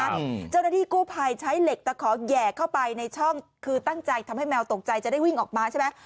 เจ้าหน้าที่กู้ภัยใช้เหล็กตะขอแห่เข้าไปในช่องคือตั้งใจทำให้แมวตกใจจะได้วิ่งออกมาใช่ไหม